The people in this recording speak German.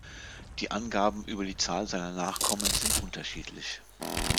Die Angaben über die Zahl seiner Nachkommen sind unterschiedlich.